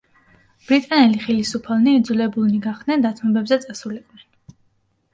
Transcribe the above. ბრიტანელი ხელისუფალნი იძულებულნი გახდნენ დათმობებზე წასულიყვნენ.